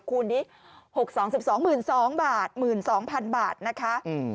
คูณที่๖๒เป็น๒๒๐๐๐บาทนะคะ